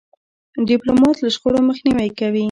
ډيپلومات له شخړو مخنیوی کوي.